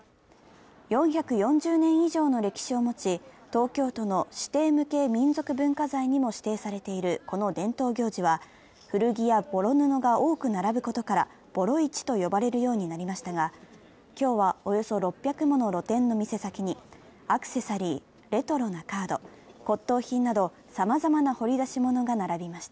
４４０年以上の歴史を持ち、東京都の指定無形民俗文化財にも指定されているこの伝統行事は、古着やボロ布が多く並ぶことからボロ市と呼ばれるようになりましたが今日はおよそ６００もの露店の店先にアクセサリー、レトロなカード、骨とう品などさまざまなな掘り出し物が並びました。